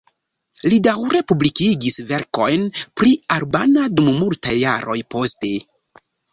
Li daŭre publikigis verkojn pri albana dum multaj jaroj poste.